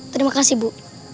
terima kasih bu